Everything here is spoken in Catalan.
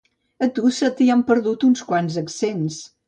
A tu se t'hi han perdut uns quants accents